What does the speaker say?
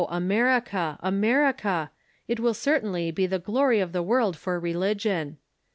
O America, America ! It will certainly be the glory of the world for religion."